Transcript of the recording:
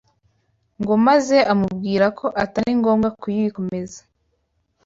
ngo maze Amubwira ko atari ngombwa kuyikomeza